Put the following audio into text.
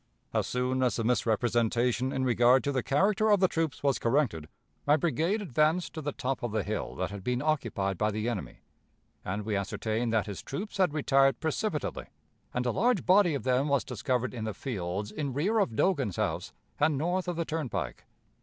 As soon as the misrepresentation in regard to the character of the troops was corrected, my brigade advanced to the top of the hill that had been occupied by the enemy, and we ascertained that his troops had retired precipitately, and a large body of them was discovered in the fields in rear of Dogan's house, and north of the turnpike.